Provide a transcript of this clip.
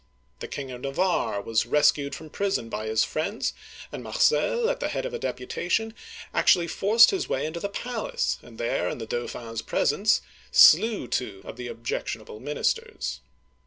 The King of Navarre was rescued from prison by his friends, and Marcel, at the head of a deputation, actually forced his way into the palace, and there, in the Dauphin's presence, slew two of the objectionable ministers.